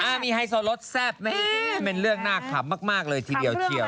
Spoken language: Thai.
มามีหายโซรสแซ่บอื่ยมันเรื่องน่ากลับมากเลยทีเดียวเชี่ยว